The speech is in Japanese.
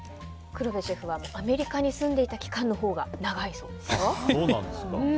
黒部シェフはアメリカに住んでいた期間のほうが長いそうですよ。